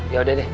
ya udah deh